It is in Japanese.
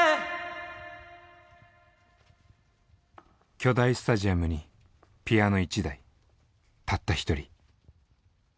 巨大スタジアムにピアノ１台たった１人。